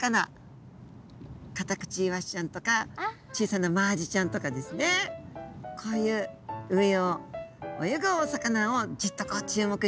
カタクチイワシちゃんとか小さなマアジちゃんとかですねこういう上を泳ぐお魚をジッとこう注目してるんですね。